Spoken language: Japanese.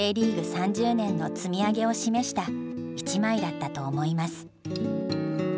３０年の積み上げを示した１枚だったと思います」。